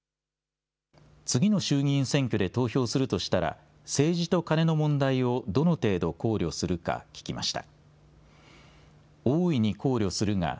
次の衆議院選挙で投票するとしたら、政治とカネの問題をどの程度考慮するか聞きました。